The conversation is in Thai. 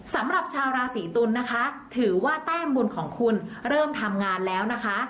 สำหรับชาวราศีตุลนะคะถือว่าแต้มบุญของคุณเริ่มทำงานแล้วนะคะ